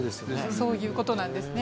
そういう事なんですね。